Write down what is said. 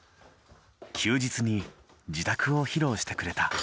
休日に自宅を披露してくれた。